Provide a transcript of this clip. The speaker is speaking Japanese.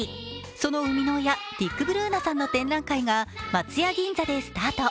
その生みの親、ディック・ブルーナさんの展覧会が松屋銀座でスタート。